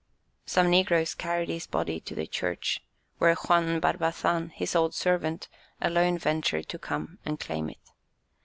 Some negroes carried his body to the church, where Juan Barbazan, his old servant, alone ventured to come and claim it.